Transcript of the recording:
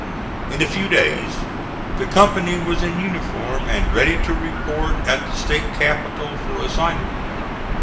In a few days the company was in uniform and ready to report at the State capital for assignment.